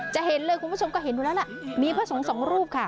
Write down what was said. จะเห็นเลยคุณผู้ชมก็เห็นอยู่แล้วล่ะมีพระสงฆ์สองรูปค่ะ